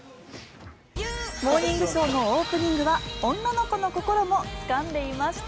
「モーニングショー」のオープニングは女の子の心もつかんでいました。